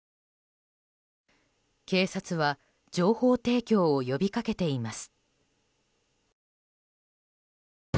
警察は情報提供を呼び掛けています。